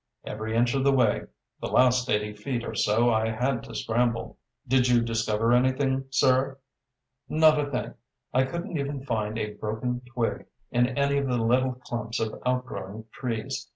"Every inch of the way. The last eighty feet or so I had to scramble." "Did you discover anything, sir?" "Not a thing. I couldn't even find a broken twig in any of the little clumps of outgrowing trees.